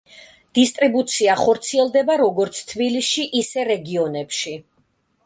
დისტრიბუცია ხორციელდება როგორც თბილისში, ისე რეგიონებში.